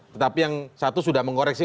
tetapi yang satu sudah mengoreksi